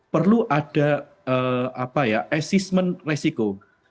perlu ada assessment resiko